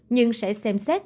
nhưng sẽ xem xét